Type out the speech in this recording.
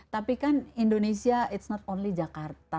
tapi kan indonesia it's not only jakarta